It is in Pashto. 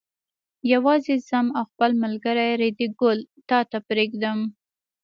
یوازې ځم او خپل ملګری ریډي ګل تا ته پرېږدم.